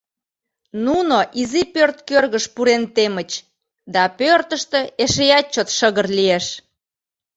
Нуно изи пӧрт кӧргыш пурен темыч, да пӧртыштӧ эшеат чот шыгыр лиеш.